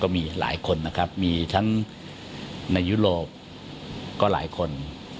มีหลายคนนะครับมีทั้งในยุโรปก็หลายคน